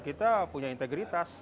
kita punya integritas